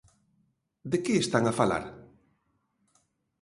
De que están a falar?